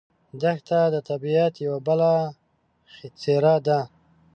دښته د طبیعت یوه بله څېره ده.